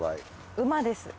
馬です。